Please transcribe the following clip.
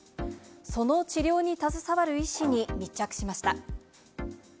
その治療に携わる医師に密着しました。